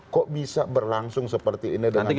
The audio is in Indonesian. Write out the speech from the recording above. kok bisa berlangsung seperti ini dengan cara cara yang